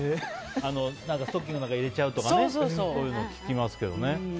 ストッキングの中入れちゃうとか聞きますけどね。